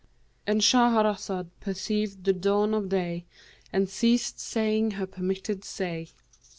"—And Shahrazad perceived the dawn of day and ceased saying her permitted say.